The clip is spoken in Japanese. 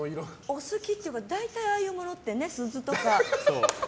お好きっていうか大体ああいうものってね鈴とか。